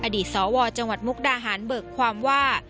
อดีตสวจังหวัดมุกดาหารเบิกความว่า